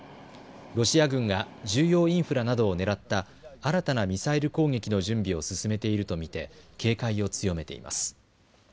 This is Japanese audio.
ロシア軍が重要インフラなどを狙った新たなミサイル攻撃の準備を進めていると見て警戒を強めています。